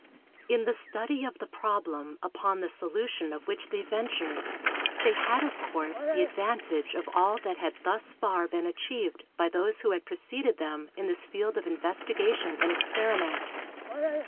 In the study of the problem upon the solution of which they ventured, they had of course the advantage of all that had thus far been achieved by those who had preceded them in this field of investigation and experiment.